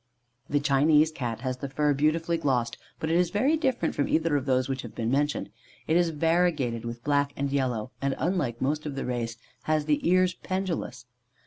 The Chinese Cat has the fur beautifully glossed, but it is very different from either of those which have been mentioned. It is variegated with black and yellow, and, unlike most of the race, has the ears pendulous.